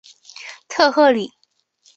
特赫里。